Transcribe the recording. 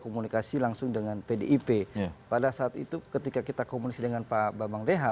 komunikasi langsung dengan pdip pada saat itu ketika kita komunikasi dengan pak bambang deha